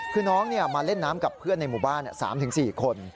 คือน้องมาเล่นน้ำกับเพื่อนในหมู่บ้าน๓๔คน